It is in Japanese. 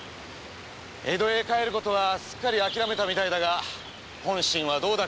江戸へ帰ることはあきらめたみたいだが本心はどうだか。